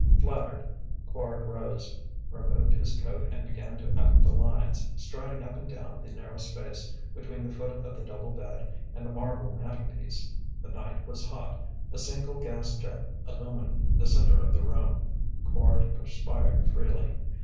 Flattered, Quard rose, removed his coat and began to act the lines, striding up and down the narrow space between the foot of the double bed and the marble mantelpiece. The night was hot; a single gas jet illumined the centre of the room; Quard perspired freely.